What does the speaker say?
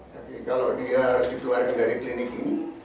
jadi kalau dia harus dikeluarkan dari klinik ini